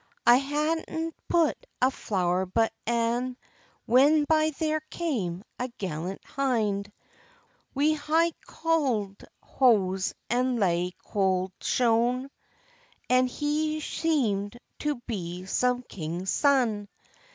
"I hadna pu'd a flower but ane, When by there came a gallant hinde, Wi' high colled hose and laigh colled shoon, And he seemed to be some king's son.